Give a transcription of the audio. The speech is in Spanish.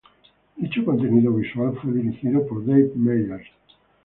Dicho contenido visual fue dirigido por Dave Meyers.